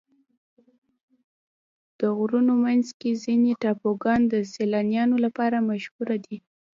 د غرونو منځ کې ځینې ټاپوګان د سیلانیانو لپاره مشهوره دي.